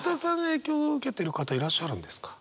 影響受けてる方いらっしゃるんですか？